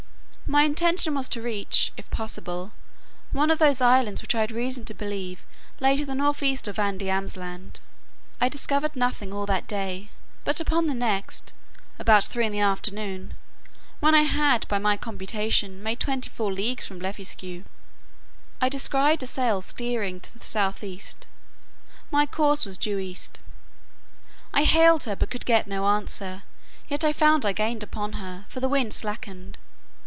My intention was to reach, if possible, one of those islands which I had reason to believe lay to the north east of Van Diemen's Land. I discovered nothing all that day; but upon the next, about three in the afternoon, when I had by my computation made twenty four leagues from Blefuscu, I descried a sail steering to the south east; my course was due east. I hailed her, but could get no answer; yet I found I gained upon her, for the wind slackened.